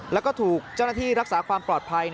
แล้วก็ถูกเจ้าหน้าที่รักษาความปลอดภัย